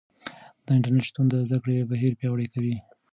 د انټرنیټ شتون د زده کړې بهیر پیاوړی کوي.